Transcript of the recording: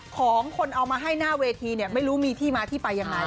ของคนเอามาให้หน้าเวทีเนี่ยไม่รู้มีที่มาที่ไปยังไง